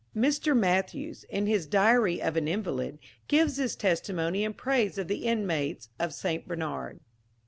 "[P] Mr. Mathews, in his "Diary of an Invalid," gives this testimony in praise of the inmates of St. Bernard.